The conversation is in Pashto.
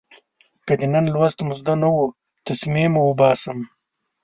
که د نن لوست مو زده نه و، تسمې مو اوباسم.